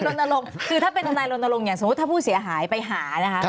ถนัยลนลงคือถ้าเป็นถนัยลนลงเนี่ยสมมุติถ้าผู้เสียหายไปหานะครับ